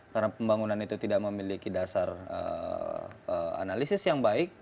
karena pembangunan itu tidak memiliki dasar analisis yang baik